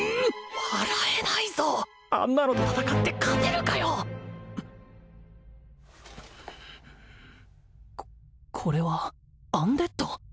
笑えないぞあんなのと戦って勝てるかよここれはアンデッド？